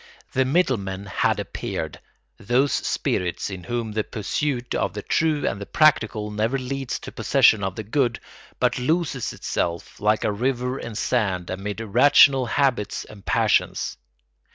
The middle men had appeared, those spirits in whom the pursuit of the true and the practical never leads to possession of the good, but loses itself, like a river in sand, amid irrational habits and passions.